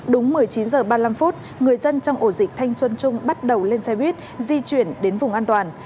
đúng một mươi chín h ba mươi năm người dân trong ổ dịch thanh xuân trung bắt đầu lên xe buýt di chuyển đến vùng an toàn